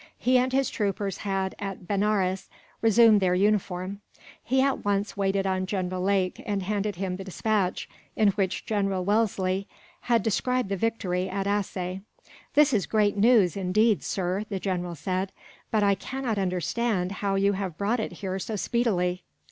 He and his troopers had, at Benares, resumed their uniform. He at once waited on General Lake, and handed him the despatch in which General Wellesley had described the victory at Assaye. "This is great news, indeed, sir," the general said, "but I cannot understand how you have brought it here so speedily."